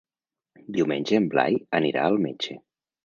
Diumenge en Blai anirà al metge.